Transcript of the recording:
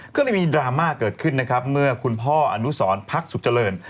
ก็เลยมีดราม่าเกิดขึ้นนะครับเมื่อคุณพ่ออนุสรพักสุขเจริญ